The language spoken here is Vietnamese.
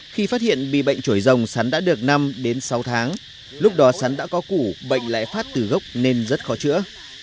khi phát hiện bị bệnh trồi rồng sắn đã được năm đến sáu tháng lúc đó sắn đã có củ bệnh lại phát từ gốc nên rất khó chữa